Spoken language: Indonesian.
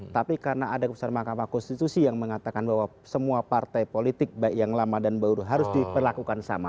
tapi karena ada keputusan mahkamah konstitusi yang mengatakan bahwa semua partai politik baik yang lama dan baru harus diperlakukan sama